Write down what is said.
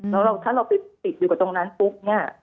แล้วถ้าเราติดอยู่กับตรงนั้นปุ๊ก